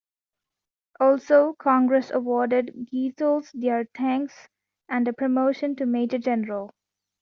Also, Congress awarded Goethals their thanks and a promotion to Major General.